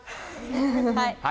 はい！